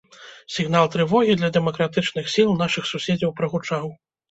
Сігнал трывогі для дэмакратычных сіл нашых суседзяў прагучаў.